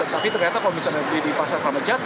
tapi ternyata kalau misalnya beli di pasar keramat jati